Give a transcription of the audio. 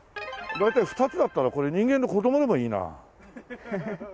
大体２つだったらこれ人間の子供でもいいな。